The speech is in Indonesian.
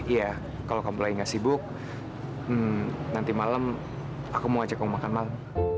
iya kalau kamu lagi gak sibuk nanti malam aku mau ajak mau makan malam